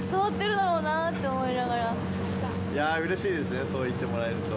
いやぁ、うれしいですね、そう言ってもらえると。